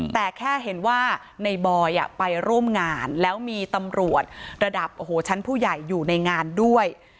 แต่แค่เห็นว่าในบอยไปร่วมงานแล้วมีตำรวจระดับโอ้โหชั้นผู้ใหญ่อยู่ในงานด้วย